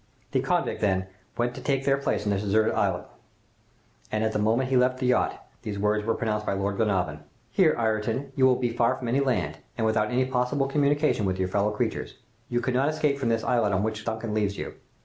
"The convict, then, went to take their place on this desert islet, and at the moment he left the yacht these words were pronounced by Lord Glenarvan: "'Here, Ayrton, you will be far from any land, and without any possible communication with your fellow creatures. You cannot escape from this islet on which the 'Duncan' leaves you.